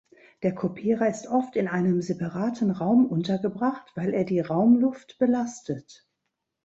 Der Kopierer ist oft in einem separaten Raum untergebracht, weil er die Raumluft belastet.